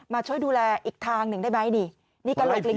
มาช่วยดูแลอีกทางหนึ่งได้มั้ยนี่